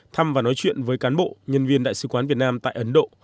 thăm và nói chuyện với cán bộ nhân viên đại sứ quán việt nam tại ấn độ